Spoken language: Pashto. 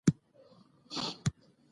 ماشومان د هڅونې له لارې باور پیدا کوي